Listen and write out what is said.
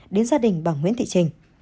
đến gia đình bà nguyễn thị trình